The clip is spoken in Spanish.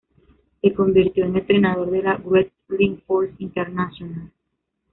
Se convirtió en entrenador de la Wrestling Force International.